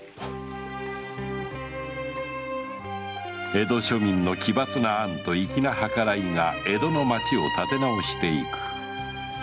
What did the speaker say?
江戸庶民の奇抜な案と粋な計らいが江戸の町を立て直していく。